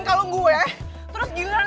kayanya udah lumayan